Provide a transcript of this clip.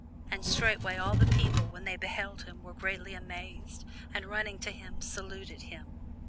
And straightway all the people, when they beheld him, were greatly amazed, and running to him saluted him.